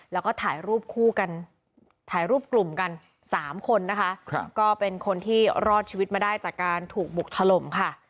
แล้วก็ถ่ายรูปคู่กันถ่ายรูปกลุ่มกัน๓คนนะคะก็เป็นคนที่รอดชีวิตมาได้จากการถูกบุกถล่มค่ะ